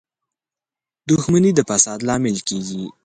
• دښمني د فساد لامل کېږي.